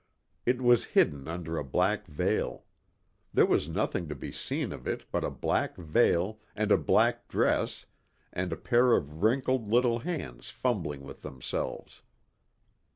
It was hidden under a black veil. There was nothing to be seen of it but a black veil and a black dress and a pair of wrinkled little hands fumbling with themselves.